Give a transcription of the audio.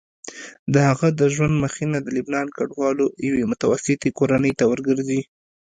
د هغه د ژوند مخینه د لبنان کډوالو یوې متوسطې کورنۍ ته ورګرځي.